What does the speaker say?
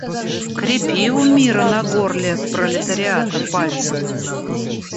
Крепи у мира на горле пролетариата пальцы!